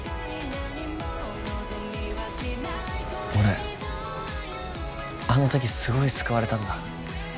俺あのときすごい救われたんだ